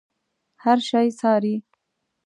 هر شی څاري.